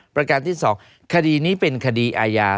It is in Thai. ประการที่๒คดีนี้เป็นคดีอาญา